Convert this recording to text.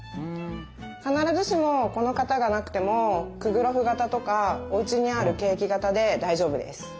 必ずしもこの型がなくてもクグロフ型とかおうちにあるケーキ型で大丈夫です。